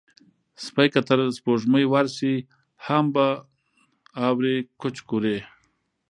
سپى که تر سپوږمۍ ورشي، هم به اوري کوچ کورې